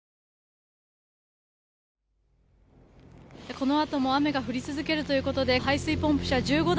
この後も雨が降り続けるということで排水ポンプ車１５台が。